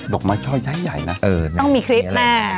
ดูมาช่วย่ายหนังนะเออต้องมีคลิปได้